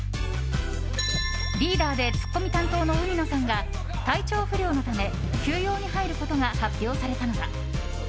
リーダーでツッコミ担当の海野さんが体調不良のため休養に入ることが発表されたのだ。